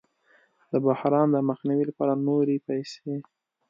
د بحران د مخنیوي لپاره نورې پیسې